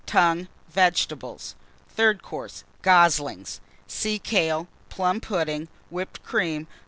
Tongue. Vegetables. THIRD COURSE. Goslings. Sea kale. Plum pudding. Whipped Cream.